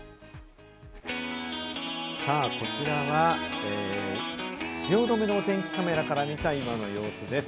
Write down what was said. こちらは汐留のお天気カメラから見た今の様子です。